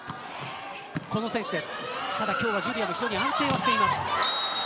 ただ今日のジュリアは非常に安定しています。